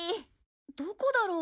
どこだろう？